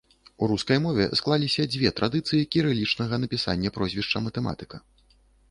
У рускай мове склаліся дзве традыцыі кірылічнага напісання прозвішча матэматыка.